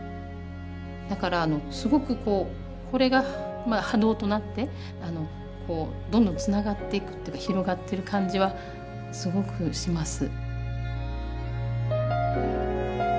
だからすごくこうこれがまあ波動となってどんどんつながっていくっていうか広がってる感じはすごくします。